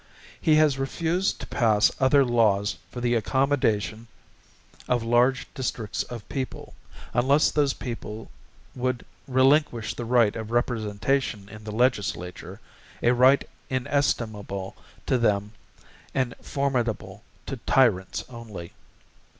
He has refused to pass other Laws for the accommodation of large districts of people, unless those people would relinquish the right of Representation in the Legislature, a right inestimable to them and formidable to tyrants only.